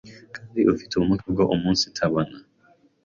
kandi afite ubumuga bwo umunsitabona